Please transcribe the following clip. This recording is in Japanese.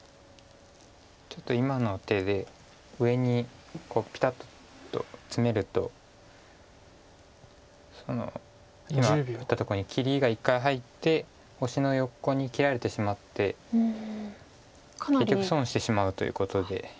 ちょっと今の手で上にピタッとツメるとその今打ったとこに切りが一回入って星の横に切られてしまって結局損してしまうということで。